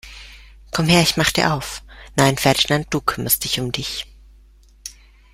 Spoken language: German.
Komm her, ich mach dir auf! Nein Ferdinand, du kümmerst dich um dich!